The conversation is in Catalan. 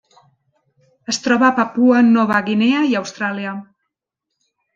Es troba a Papua Nova Guinea i Austràlia.